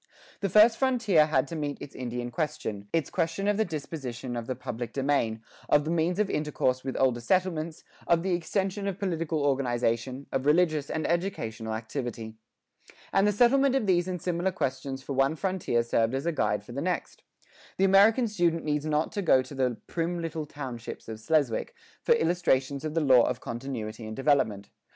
The first frontier had to meet its Indian question, its question of the disposition of the public domain, of the means of intercourse with older settlements, of the extension of political organization, of religious and educational activity. And the settlement of these and similar questions for one frontier served as a guide for the next. The American student needs not to go to the "prim little townships of Sleswick" for illustrations of the law of continuity and development.